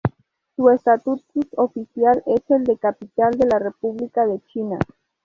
Su estatus oficial es el de capital de la República de China.